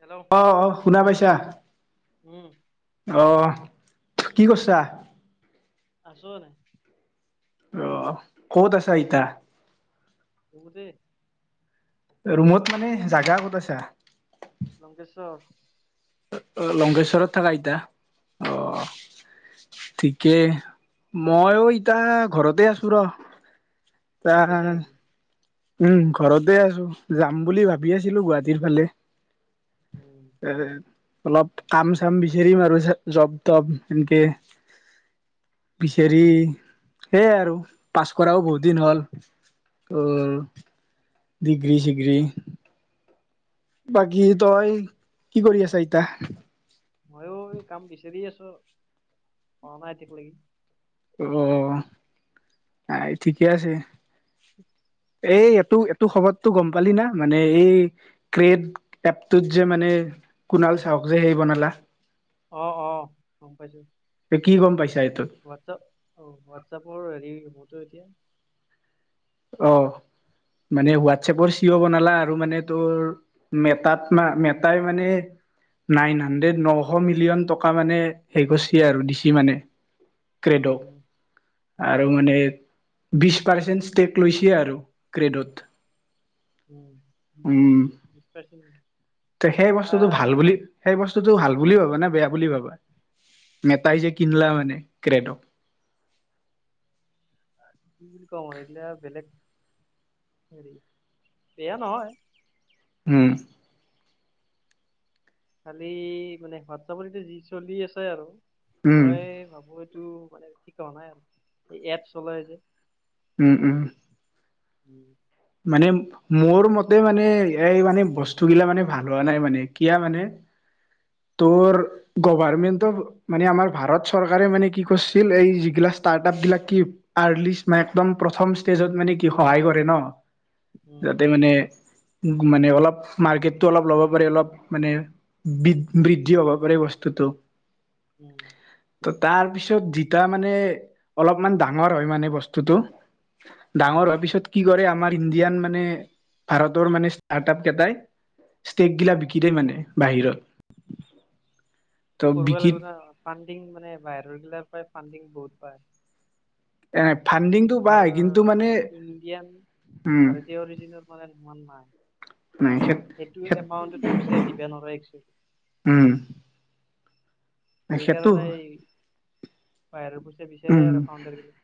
Hello অ', অ শুনা পাইছা, উম আহ কি কৰিছা? আছো এনাই। অ' ক'ত আছা এতিয়া। হ'ব দে। ৰুমত মানে জাগা ক'ত আছা? লংকেশ্বৰ। লংকেশ্বৰত থকা এতিয়া? উম। ঠিকেই মইও এতিয়া ঘৰতে আছো ৰ। তা ঘৰত গৈছা নেকি? উম ঘৰতে আছো, যাম বুলি ভাবি আছিলো গুৱাহাটীৰ ফালে। উম। এ অলপ কাম চাম বিচাৰিম আৰু জব তব এনেকে। পিছে হেৰি উম সেয়াই আৰু পাছ কৰাও বহুত দিন হ'ল। ত ডিগ্ৰী ছিগ্ৰী বাকী তই কি কৰি আছ এতিয়া? ময়ো এই কাম বিচাৰি আছো পোৱা নাই এতিয়া লৈকে। অ '। আই ঠিকে আছে। এই এইটো এইটো খবৰটো গ'ম পালি না। মানে এই ক্ৰট এপটোত যে মানে কুণাল চাওক যে সেই বনালা অ', অ, গ'ম পাইছো। এ কি গ'ম পাইছা এইটো? হোৱাটছআপ অঁ হোৱাটছআপৰ হেৰি মটো এতিয়া অ' মানে হোৱাটছএপৰ চিঅ' বনালা আৰু মানে তোৰ মেটাত মা মেটাই মানে নাইন হাণ্ড্ৰেড নশ মিলিয়ন টকা মানে হেৰি কৰিছে আৰু দিছি মানে উম উম, ক্ৰেড'ক। অ আৰু মানে বিশ পাৰ্চেন্ট ষ্টেক লৈছে আৰু ক্ৰেডত। উম, [unintelligible] ত' সেই বস্তুটো ভাল আহ বুলি সেই বস্তুটো ভাল বুলি ভাবা নে বেয়া বুলি ভাবা মেটাই যে কিনলা মানে কে্ৰডক। কি বুলি কওঁ এইগিলা আৰু বেলেগ হেৰি বেয়া নহয়। হম। খালি মানে হোৱাটছআপত এতিয়া যি চলি আছে আৰু উম মই ভাবো এইটো মানে ঠ হ নাই আৰু স এপ চলাই যে। উওম উওম। উম মানে মোৰ মতে মানে এই মানে বস্তুগিলা মানে ভাল হোৱা নাই মানে কিয় মানে তোৰ গভাৰমেন্ট মানে আমাৰ ভাৰত চৰকাৰে মানে কি কৰিছিল এই যিগিলা ষ্টাৰ্ট আপ গিলাক কি আৰ্লিষ্ট ম একদম প্ৰথম ষ্টেজত মানে কি সহায় কৰে ন! উম যাতে মানে মানে অলপ মাৰ্কেটতটো অলপ ল'ব পাৰি অলপ মানে বি বৃদ্ধি হব পাৰে বস্তুটো। উম। ত' তাৰ পিছত জতা মানে অলপমান ডাঙৰ হয় মানে বস্তুটো ডাঙৰ হোৱাৰ পিছত কি কৰে আমাৰ ইণ্ডিয়ান মানে ভাৰতৰ মানে ষ্টাৰ্ট আপ কেইটাই ষ্টেক গিলা বিকি দেই মানে বাহিৰত। সেইটো ত কৰিব বিকি লাগিব ন ফানণ্ডিং মানে বাহিৰৰ গিলা পৰাই ফানণ্ডিং বহুত পায়। এনে ফাণ্ডিং আমাৰ মানে এইটো ইণ্ডিয়ান উম ভাৰতীয় অৰিজিনৰ মানে ইমান নাই। নাই সেইটো এমাউণ্টত পইচা দিবে নোৱাৰে এক্চেলি। উম। সেইটো সেইকাৰণে বাহিৰৰ গচ বিচাৰে আৰু ফাউণ্ডাৰ গলে।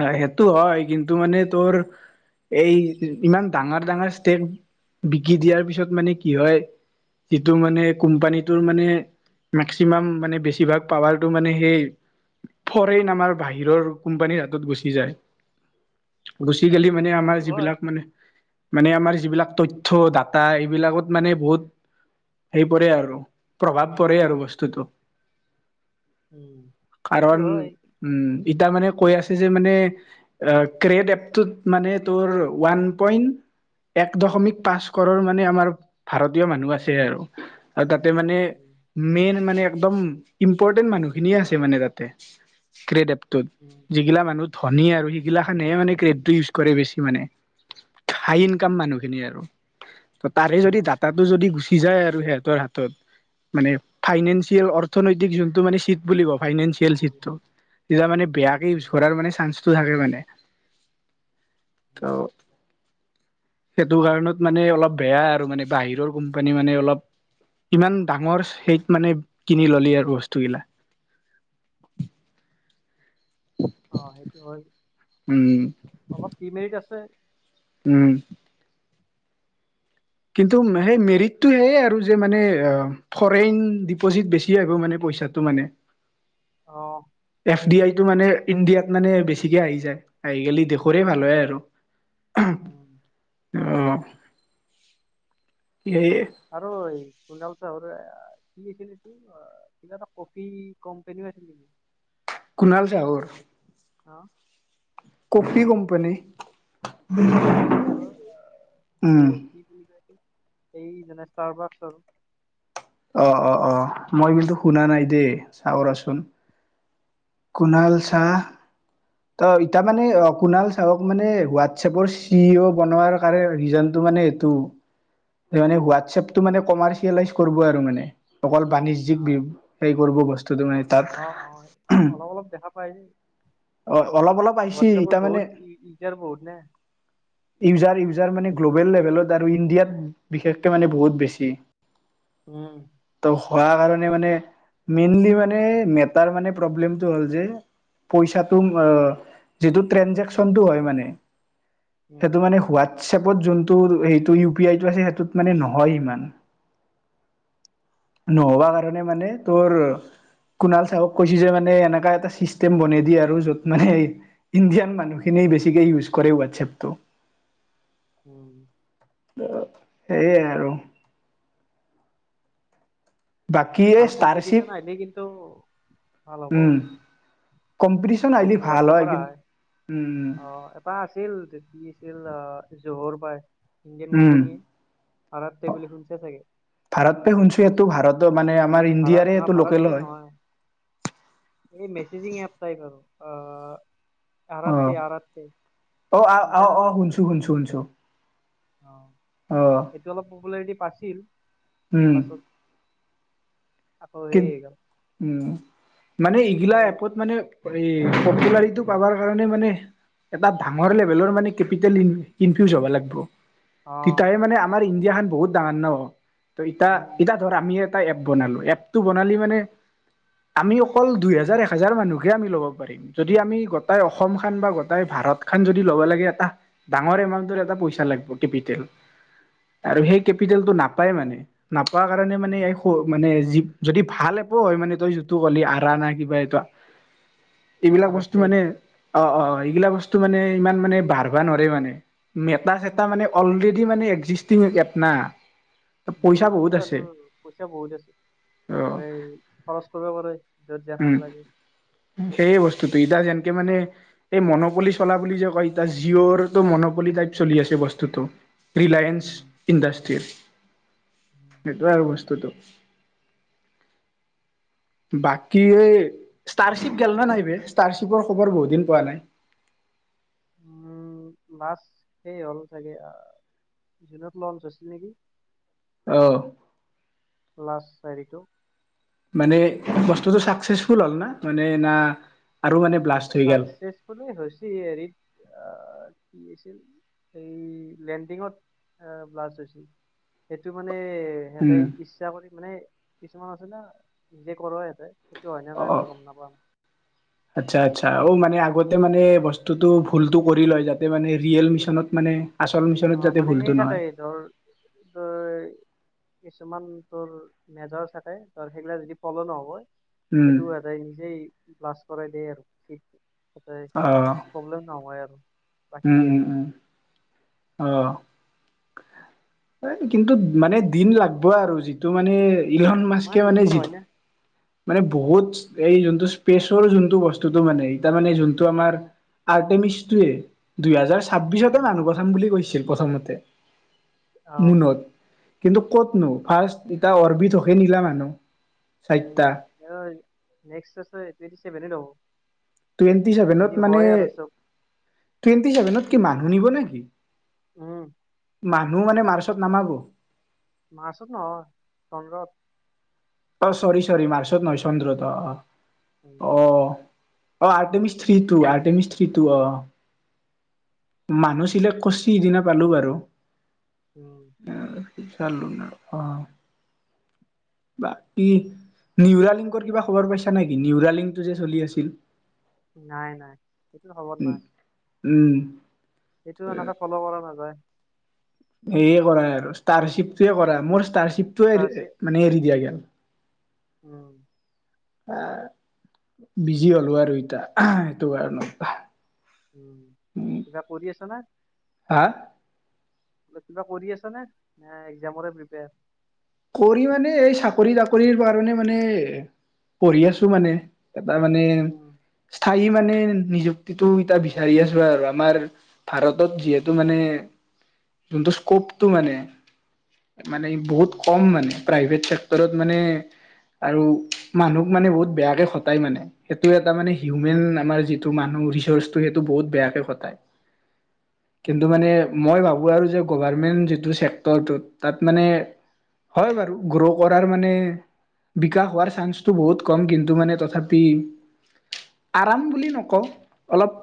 আহ সেইটো হয় কিন্তু মানে তোৰ এই ইমান ডাঙৰ ডাঙৰ ষ্টেক বিকি দিয়াৰ পিছত মানে কি হয় যিটো মানে কোম্পানীটোৰ মানে মেক্সিমাম মানে বেছিভাগ পাৱাৰটো মানে সেই ফৰেইন আমাৰ বাহিৰৰ কোম্পানীৰ গুচি যায় গুচি গেলি মানে সেইটো আমাৰ হয় যিবিলাক মানে মানে আমাৰ যিবিলাক তথ্য ডাটা এইবিলাকত মানে বহুত সেই পৰে আৰু প্ৰভাৱ পৰে আৰু বস্তুটো। উম সেইটো কাৰণ হয় উম, ইতা মানে কৈ আছে মানে ক্ৰেড এপটোত মানে তোৰ ওৱান পইন্ট এক দশমিক পাঁচ কৰৰ মানে আমাৰ ভাৰতীয় মানুহ আছে আৰু। আৰু তাতে মানে উম মেইন মানে একদম ইম্পৰ্টেণ্ট মানুহখিনিয়ে আছে মানে তাতে ক্ৰেড এপটোত। উম যিগিলা মানুহ উম ধনী আৰু সেইগিলাখানহে মানে ক্ৰেডটো ইউজ কৰে বেছি মানে। হাই উম ইনকাম মানুহখিনি আৰু ত তাৰে অ যদি ডাটা যদি গছি যায় আৰু সিহতৰ হাতত মানে ফাইনেঞ্চিয়েল অৰ্থনৈতিক জনাটো চিট বুলি ক ফাইনেিয়েল চিতটো তেতিয়া মানে বেয়াকে ইউছ উম কৰাৰ মানে চানটো থাকে মানে উম অ'। সেইটো কাৰণত মানে অলপ বেয়া আৰু মানে বাহিৰৰ কোম্পানী মানে অলপ ইমান ডাঙৰ সেইত মানে কিনি ললি আৰু বস্তুগিলা। অঁ', সেইটো হয় উম অলপ ডিমেৰিট আছে। উম। কিন্তু সেই মেৰিটটো সেয়ে আৰু যে মানে ফৰেইন ডিপ'জিট বেছিয়ে আহিব মানে পইচাটো। টো মানে, অ, এফ ডি আইটো মানে ইণ্ডিয়াত মানে বেছিকৈ আহি যায়। আহি গেলি দেশোৰে ভাল হয় আৰু। অও, অ, [unintelligible] আৰু [unintelligible] কিবা এটা কফি কোম্পেনীও আছিল নেকি? কুণাল চাহৰ? অ, কফি কোম্পানী? অ মানে সেই আৰু এ উম, কি বুলি [inaudible] এই যেনে ষ্টাৰ [inaudible] অ, অ, অ, মই কিন্তু শুনা নাই দেই চাও ৰচন। কুণাল শাহ ত ইতিয়া মানে অ কুণাল চওক মানে হোৱাটছএপৰ চি অ বনোৱাৰ ৰিজনটো মানে এইটো। মানে হোৱাটছএপটো কি? মানে কমাৰ্চিয়েলাইজ কৰিব আৰু মানে অকল অ বাণিজ্যিক সেই কৰব বস্তু [inaudible] অ, অ, অলপ, অলপ দেখা পাই যে। অ', অলপ অলপ আহিছি হোৱাটছএপৰ ইতা মানে বহুত ইউজাৰ বহুত না। [inaudible] ইউজাৰ ইউজাৰ মানে গ্ল'বেল লেভেলত আৰু ইণ্ডিয়াত বিশেষকে মানে বহুত বেছি। উম, ত হোৱাৰ কাৰণে মানে মেইনলি মানে মেটাৰ মানে প্ৰব্লেমটো হ'ল যে, পইচাটো অ, যিটো ট্ৰেনজেকচনটো হয় মানে সেইটো উম মানে হোৱাত হোৱাটচএপত যোনটো সটো ইউ পি আইটো আছে সেইটোত মানে নহয় ইমান। নহবা কাৰণে মানে তোৰ, কুণাল চাহক কৈছো যে মানে এনেকা এটা চিষ্টেম বনাই দিয়ে আৰু য'ত মানে ইণ্ডিয়ান মানুহখিনিয়েই বেছিকৈ ইউজ কৰে হোৱাটছএপটো। উম, ত'সেয়াই আৰু, বাকি এই ভাল কম্পিটিচন ষ্টাৰচিপ আহিলে কিন্তু ভাল হ'ব [unintelligible] ন যদি আহিলি ভাল হয় হোৱাটছএপৰ আহে [inaudible] অ, এপাৰ আছিল কি আছিল জহৰ বা ইণ্ডিয়ান উম কোম্পানীয়ে, [inaudible] বুলি শুনিছে চাগে? ভাৰত পে শুনিছোঁ এইটো ভাৰতৰ মানে আমাৰ ভাৰত ইণ্ডিয়াৰে নহয় এইটো লোকেল ভাৰতে নহয় হয়। এই মেচজিং এপ টাইপ আৰু আ, [inaudible] অ, অ, অ, অ, তই শুনিছোঁ, শুনিছোঁ, শুনিছোঁ, অ, এইটো অলপ পপুলাৰিটি পাইছিল উম পাছত আকৌ হেৰি কিন্ত হৈ গ'ল উম মানে এইগিলা এপত মানে, এই পপুলাৰীটো পাবাৰ কাৰণে মানে এটা ডাঙৰ লেভেলৰ মানে কেপিটেল ইনফিউজ হব লাগিব। অ', তেতিয়াহ মানে আমাৰ ইণ্ডিয়া খান বহুত ডাঙাৰ ন ইতা উম, ইতা ৰ আমি এটা এপ বনালোঁ এপটো বনালি মানে, আমি অকল দুইহেজাৰ এ হেজাৰ মানুহে আমি ল'ব পাৰিম। যদি আমি গোটাই অসম খান বা গোটাই ভাৰত খান যদি ল'ব লাগে এটা ডাঙৰ এমাউণ্টৰ এটা পইচা লাগিব কেপিটেল। আৰু উম, সেই কেপিটেলটো নাপায় মানে নাপোৱা কাৰণে মানে উম, মানে যদি ভাল এপো হয় মানে তই যিটো ক'লি আৰা না কিবা এইটো এইবিলাক বস্তু আৰতে মানে অ অ এইবিলাক বস্তু মানে ইমান মানে বাৰবা নৰে মানে মেটা চেটা এটা মানে অলৰেডি মানে একজিষ্টিং এপ না উম, পইচা বহুত আৰু এইটো আছে পইচা বহুত আছে অ তাতে খৰচ কৰিব পৰা যত জনা উম লাগে সেইয়ে বস্তুটো ইদা যেনকে মানে এই মন'পলি চলা বুলি যে কয়তিা জিঅ'ৰ তটো মন'পলি টাইপ চলি আছে বস্তুতটো ৰিলায়ন্স উম, ইণ্ডষ্ট্ৰি উম, এইটো আৰু বস্তুটো বাকী ষ্টাৰশ্বিপ গাল নে নাই ব ষ্টাৰশ্বিপৰ খবৰ বহুত দিন পোৱা নাই লাষ্ট সেই হ'ল চাগে জুনত লঞ্চ আছিল নেকি অ ল্লাছ চাৰিটো মানে বস্তুতটো চাকচেচফুল হ'ল না মানে ন আৰু মানে ব্লাষ্ট হৈ গ'ল চাকচেচফুলেই হৈছে হেৰিত কি আছিল এই লেণ্ডিঙত আহ ব্লাষ্ট হৈছিল সেইটো মানে সিহঁতে উম ইচ্ছা কৰি মানে কিছুমান আছে না নিজে কৰ সিহতে সেইটো হয়নেে অ নাই অ মই গম নাপাম [inaudible] আচ্ছা আচ্ছা অ মানে আগতে মানে বস্তুটো ভুলতটো কৰি লয় যাতে মানে ৰিয়েল মিচনত মানে আচল অ মিছনত যাতে মানে ভুলটো সেই থাকে নহয় ধৰ তৰ কিছুমান তোৰ মেজাৰছ থাকে ত সেইগিলা যদি ফ'ল' নহ'ব উম সেইটো সিহঁতে নিজেই ব্লাছ কৰাই দিয়ে আৰু সতে অঁ প্ৰব্লেম নহয় আৰু বাকী উম হেৰি উম উম অহ এ কিন্তু মানে দিন লাগবই আৰু যিটো মানে ইলন এই মাছকে ইমান মানে ইজি যি নহয় না মানে বহুত এই যোনটো স্পেচৰ যোনটো বস্তুটো মানে তাৰ মানে যোনটো আমাৰ উম আৰ্টেমিচটোৱে দুহেজাৰ ছাব্বিশতে উম মানুহ পঠাম বুলি কৈছিল প্ৰথমতে আহ জুনত কিন্তু কতনো ফাৰ্ষ্ট ইটা অৰবিধ হকে নিলা মানুহ চাৰিটা উন নেক্সট চভেলে ন টুৱেণ্টি চেভেনত মানে চব টুৱেন্টি চেভেনত কি মানুহ নিব নেকি উম মানুহ মানে মাৰ্চত নামাবো মাৰ্চত নহয় চন্দ্ৰত অ চৰি চৰি মাৰ্চত নহয় চন্দ্ৰত উম অ অ অ Artemis three two Artemis three two অ মানুহ চিলেক্ট কৰিছে সিদিনা পালো বাৰু উম চালন অ বাকী নিউৰালিংকৰ কিবা খবৰ পাইছা নেকি নিউৰালিংকটো যে চলি আছিল নাই নাই সেইটো খবৰ উম। নাই উম এইটো এনেকে ফল পৰা নাযায় সেয়ে কৰা আৰু ষ্টাৰশ্বিপটোৱে কৰা মোৰ ষ্টাৰশ্বিপটোোৱে তাৰপিছত মানে এৰি দিয়া গল উম এ বিজি হলো আৰু ইতা সেইটো কাৰণত উম কিবা কৰি আছ না হা কিবা কৰি আছ নে ন একজামৰে প্ৰিপেয়াৰ কৰি মানে এই চাকৰি তাকৰিৰ কাৰণে মানে পঢ়ি আছো মানে এটা মানে উম স্থায়ী মানে নিযুক্তিটো এতিয়া বিচাৰি আছো আৰু আমাৰ ভাৰতত যিহেতু মানে যোনটো স্ক'পটো মানে মানে বহুত উম কম মানে প্ৰাইভেট চেক্টৰত মানে আৰু মানুহক মানে বহুত বেয়াকে খটায় মানে। সেইটো এটা মানে হিউমেন আমাৰ যিটো মানুহ ৰিচৰ্চটো সেইটো বহুত বেয়াকে খতাই। কিন্তু উম মানে মই ভাবোঁ আৰু যে গভাৰমেণ্ট যিটো ছেক্টৰটোত তাত মানে হয় বাৰু গ্ৰ' কৰাৰ মানে বিকাশ হোৱাৰ চান্সটো বহুত কম কিন্তু মানে তথাপি আৰাম বুলি নকওঁ। অলপ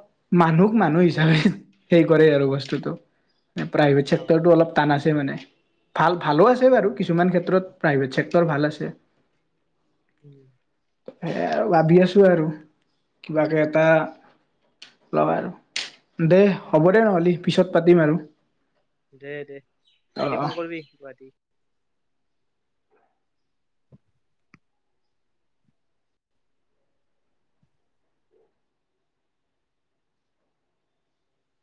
মানুহক মানুহ হিচাপে হেই কৰে আৰু বস্তুতটো। প্ৰাইভেট অ চেক্টৰটো অলপ টান আছে মানে ভাল ভালো আছে বাৰু। উম কিছুমান ক্ষেত্ৰত প্ৰাইভেট চেক্টৰ ভাল আছে। উম। সে আৰু ভাবি আছো আৰু কিবাকে এটা ল'ব আৰু দে হ'ব দে নহ'লে পিছত পাতিম আৰু। দে দে অ' আহিলি অ' ফোন কৰিবি গুৱাহাটী। [inaudible]